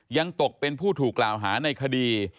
ยังตกเป็นผู้ถูกกล่าวหาในคดี